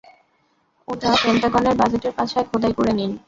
ওটা পেন্টাগনের বাজেটের পাছায় খোদাই করে নিন!